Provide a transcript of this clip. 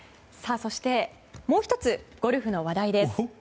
そして、もう１つゴルフの話題です。